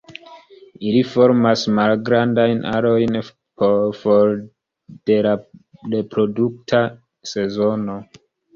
Ili formas malgrandajn arojn for de la reprodukta sezono.